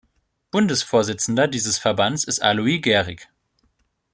Bundesvorsitzender dieses Verbands ist Alois Gerig.